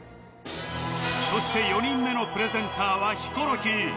そして４人目のプレゼンターはヒコロヒー